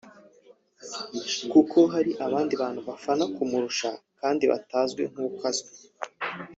kuko hari abandi bantu bafana kumurusha kandi batazwi nk’uko azwi